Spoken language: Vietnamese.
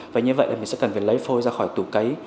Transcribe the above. và như vậy là mình sẽ cần phải lấy phôi ra khỏi tủ cấy